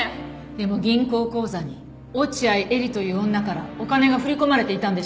でも銀行口座に落合エリという女からお金が振り込まれていたんでしょ？